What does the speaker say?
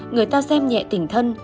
người ta xem nhẹ tình thân